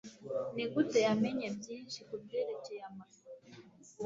Nigute yamenye byinshi kubyerekeye amafi?